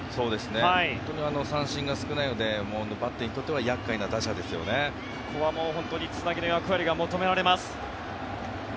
本当に三振が少ないのでバッテリーにとってはここは本当につなぎの役割が求められます。